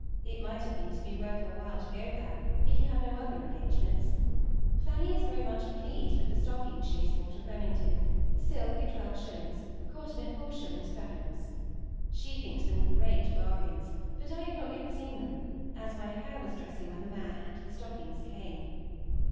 It might at least be worth your while to go there, if you have no other engagements. Fanny is very much pleased with the stockings she has bought of Remmington, silk at 12_s._, cotton at 4_s._ 3_d._ She thinks them great bargains, but I have not seen them yet, as my hair was dressing when the man and the stockings came.